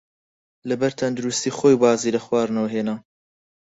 لەبەر تەندروستیی خۆی وازی لە خواردنەوە هێنا.